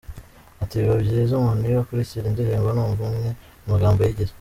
Ati “ Biba byiza umuntu iyo akurikira indirimbo anumva amwe mu magambo ayigize.